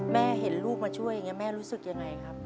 แม่เห็นลูกมาช่วยอย่างนี้แม่รู้สึกยังไงครับ